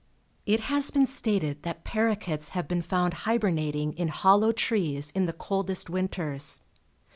It has been stated that paroquets have been found hibernating in hollow trees in the coldest winters.